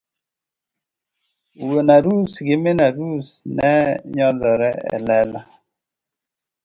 Wuon arus gi min arus ne nyodhore e lela.